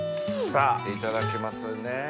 さぁいただきますね。